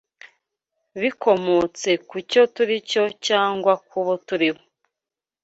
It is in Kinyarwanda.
bikomotse ku cyo turi cyo cyangwa ku bo turi bo